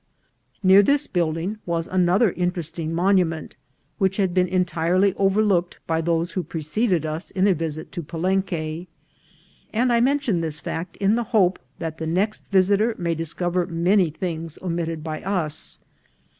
Near this building was another interesting monument, which had been entirely overlooked by those who prece ded us in a visit to Palenque, and I mention this fact in the hope that the next visiter may discover many things omitted by us.